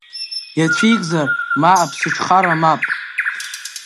Иацәикзар ма аԥсыҽхара мап?